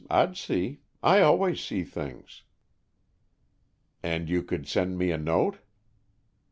I'd see. I always see things." "And you could send me a note?"